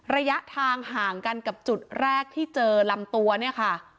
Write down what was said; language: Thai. ระยะทางห่างกันกับจุดแรกที่เจอลำตัวเนี่ยค่ะ